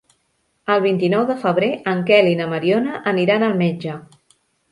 El vint-i-nou de febrer en Quel i na Mariona aniran al metge.